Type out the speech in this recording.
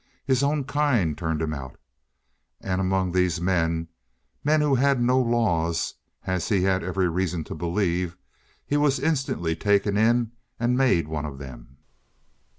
His own kind turned him out. And among these men men who had no law, as he had every reason to believe he was instantly taken in and made one of them.